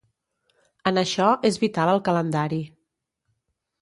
En això és vital el calendari.